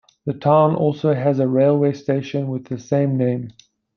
The town also has a railway station with the same name.